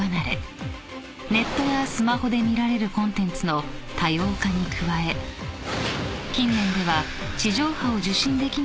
［ネットやスマホで見られるコンテンツの多様化に加え近年では地上波を受信できない